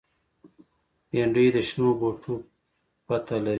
بېنډۍ د شنو بوټو پته لري